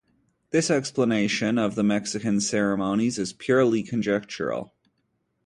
This explanation of the Mexican ceremonies is purely conjectural.